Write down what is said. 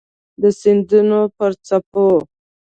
د سیندونو پر څپو